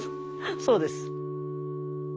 そうです。